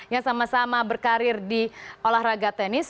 yang sama sama berkarir di olahraga tenis